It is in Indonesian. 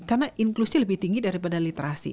karena inklusi lebih tinggi daripada literasi